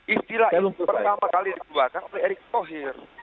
istilah itu pertama kali dibuatkan oleh erick thohir